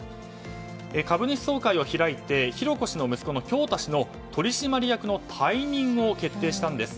株主総会を開いて浩子氏の息子の京大氏の取締役の退任を決定したんです。